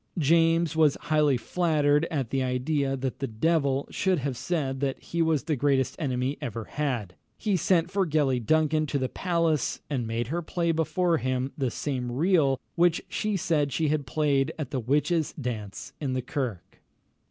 James was highly flattered at the idea that the devil should have said that he was the greatest enemy he ever had. He sent for Gellie Duncan to the palace, and made her play before him the same reel which she had played at the witches' dance in the kirk.